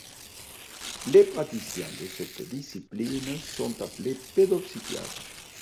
Les praticiens de cette discipline sont appelés pédopsychiatres.